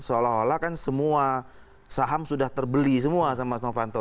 seolah olah kan semua saham sudah terbeli semua sama mas novanto